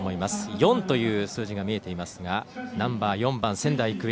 ４という数字が見えていますがナンバー４番、仙台育英。